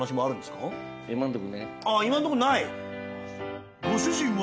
ああ今んとこない？